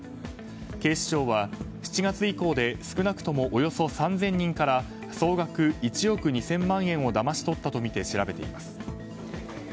警視庁は、７月以降で少なくともおよそ３０００人から総額１億２０００万円をだまし取ったとみて調べています。